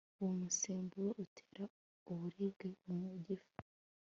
Uwo musemburo utera uburibwe mu gifu